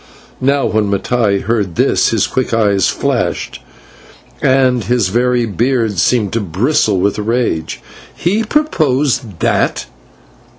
Now when Mattai heard this his quick eyes flashed, and his very beard seemed to bristle with rage. "He proposed that!